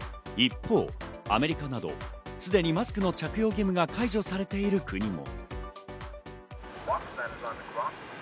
一方、アメリカなど、すでにマスクの着用義務が解除されている国も。